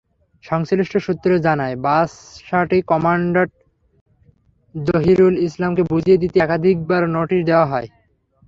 সংশ্লিষ্ট সূত্র জানায়, বাসাটি কমান্ড্যান্ট জহিরুল ইসলামকে বুঝিয়ে দিতে একাধিবার নোটিশ দেওয়া হয়।